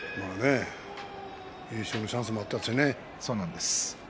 優勝のチャンスもありましたね。